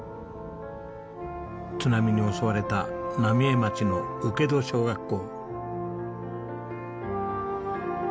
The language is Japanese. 津波に襲われた浪江町の請戸小学校。